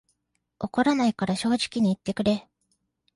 怒らないから正直に言ってくれ